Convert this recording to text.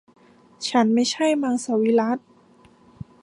ฉันไม่ใช่มังสวิรัติ